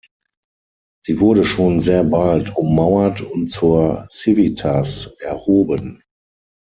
Sie wurde schon sehr bald ummauert und zur „civitas“ erhoben.